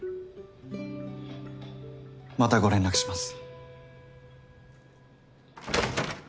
またご連絡します。